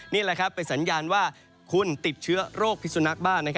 นี่แหละครับเป็นสัญญาณว่าคุณติดเชื้อโรคพิสุนักบ้าน